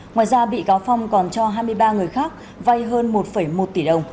ngoài ra bị cáo phong còn cho hai mươi ba người khác vay hơn một một